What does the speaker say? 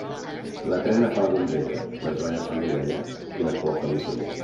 La trena fa la donzella, les banyes fan l'ovella i la cua fa l'ocella.